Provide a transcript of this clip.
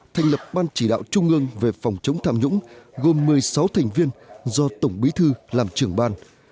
thành lập ban chỉ đạo trung ương về phòng chống tham nhũng gồm một mươi sáu thành viên do tổng bí thư làm trưởng ban